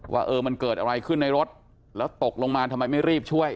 ว่าเออมันเกิดอะไรขึ้นในรถแล้วตกลงมาทำไมไม่รีบช่วย